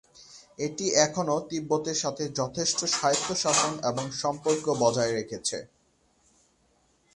এটি এখনও তিব্বতের সাথে যথেষ্ট স্বায়ত্তশাসন এবং সম্পর্ক বজায় রেখেছে।